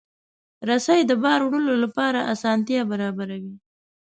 رسۍ د بار وړلو لپاره اسانتیا برابروي.